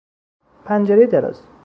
پنجرهی دراز